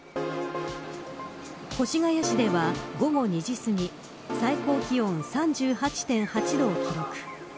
越谷市では午後２時すぎ最高気温３８．８度を記録。